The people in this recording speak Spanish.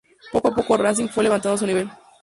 Poco a poco Racing fue levantando su nivel.